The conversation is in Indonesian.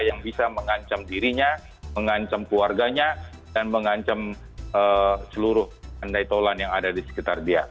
yang bisa mengancam dirinya mengancam keluarganya dan mengancam seluruh andai tolan yang ada di sekitar dia